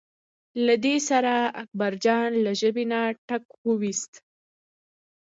له دې سره اکبرجان له ژبې نه ټک وویست.